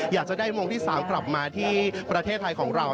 อยากจะได้มงที่๓กลับมาที่ประเทศไทยของเรา